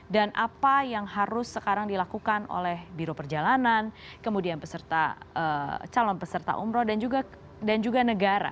dan apa yang harus sekarang dilakukan oleh biro perjalanan kemudian calon peserta umroh dan juga negara